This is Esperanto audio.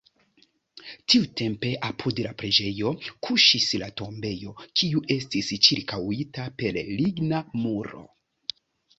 Tiutempe apud la preĝejo kuŝis la tombejo, kiu estis ĉirkaŭita per ligna muro.